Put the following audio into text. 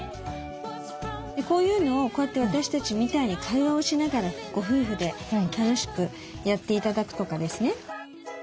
こういうのをこうやって私たちみたいに会話をしながらご夫婦で楽しくやって頂くとかですね。